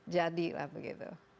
jadi lah begitu